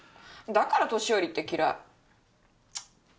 だから年寄りって嫌い。